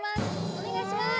お願いします！